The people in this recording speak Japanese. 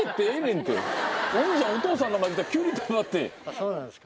そうなんですか？